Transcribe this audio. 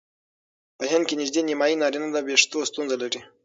په هند کې نژدې نیمایي نارینه د وېښتو ستونزه لري.